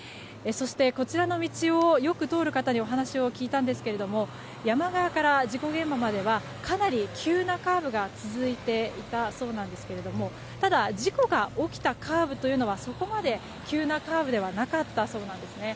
こちらの道をよく通る方にお話を聞いたんですが山側から事故現場まではかなり急なカーブが続いていたそうなんですけれどもただ、事故が起きたカーブというのはそこまで急なカーブではなかったそうなんですね。